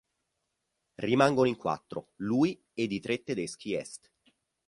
Rimangono in quattro: lui ed i tre tedeschi est.